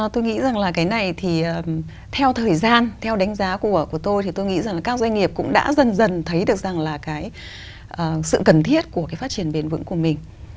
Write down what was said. tôi nghĩ rằng là cái này thì theo thời gian theo đánh giá của tôi thì tôi nghĩ rằng là các doanh nghiệp cũng đã dần dần thấy được rằng là cái sự cần thiết của cái phát triển bền vững của mình